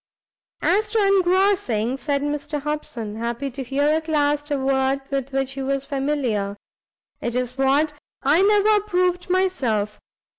"As to engrossing," said Mr Hobson, happy to hear at last a word with which he was familiar, "it's what I never approved myself.